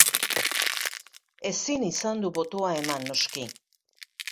Ezin izan du botoa eman, noski.